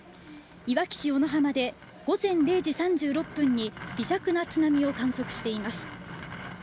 いわき市小名浜で午前０時３０分に微弱な津波を観測しています。